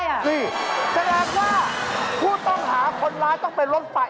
แสดงว่าผู้ต้องหาคนร้ายต้องเป็นรถไฟ